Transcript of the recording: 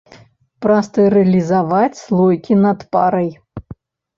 Прастэрылізаваць слоікі над парай.